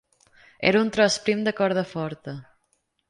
Era un tros prim de corda forta.